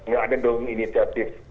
gak ada dong inisiatif